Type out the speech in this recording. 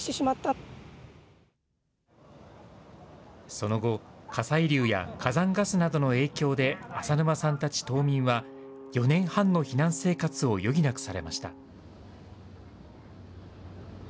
その後、火砕流や火山ガスなどの影響で、浅沼さんたち島民は、４年半の避難生活を余儀なくされました。